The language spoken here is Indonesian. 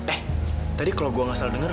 eh tadi kalo gue gak salah denger